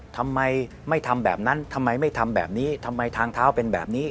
ทำไมไม่ทำแบบนั้นทำไมไม่ทำแบบนี้ทำไมทางเท้าเป็นแบบนี้